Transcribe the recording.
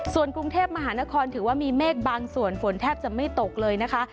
ส่วนกรุงเทพมหานครถือว่ามีเมฆบางส่วนฝนแทบจะไม่ตกเลยนะคะ